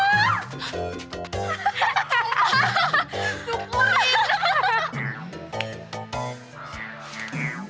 wadah kicked skipper